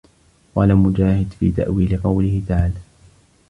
وَقَالَ مُجَاهِدٌ فِي تَأْوِيلِ قَوْله تَعَالَى